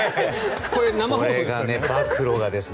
これ、生放送ですからね。